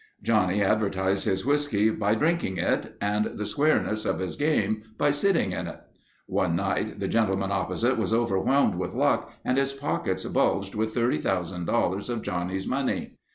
Johnny advertised his whiskey by drinking it and the squareness of his game, by sitting in it. One night the gentleman opposite was overwhelmed with luck and his pockets bulged with $30,000 of Johnny's money.